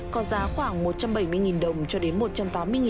có giá khoảng một trăm bảy mươi đồng cho đến